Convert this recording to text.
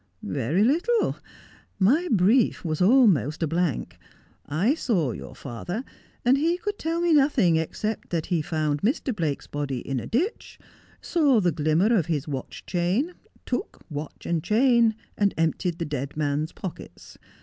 ' Very little. My brief was almost a blank. I saw your father, and he could tell me nothing except that he found Mr. Blake's body in a ditch, saw the glimmer of his watch chain, took watch and chain, and emptied the dead man's pockets.